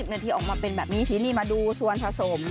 นาทีออกมาเป็นแบบนี้ทีนี้มาดูส่วนผสม